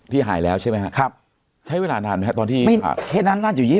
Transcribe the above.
พี่หายแล้วใช่ไหมครับครับใช้เวลานานไหมครับตอนที่ไม่เคสนั้นน่าจะอยู่